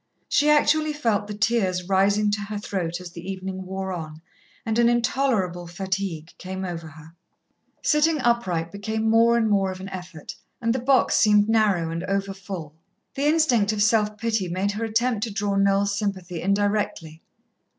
She actually felt the tears rising to her throat as the evening wore on, and an intolerable fatigue overcame her. Sitting upright became more and more of an effort, and the box seemed narrow and over full. The instinct of self pity made her attempt to draw Noel's sympathy indirectly.